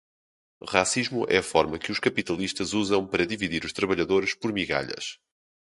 Racismo é a forma que os capitalistas usam para dividir os trabalhadores por migalhas